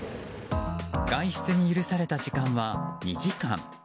外出に許された時間は２時間。